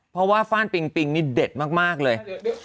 เพราะว่าฟ่านปิงปิงนี่เด็ดมากเลย